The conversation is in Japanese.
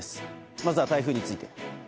まずは台風について。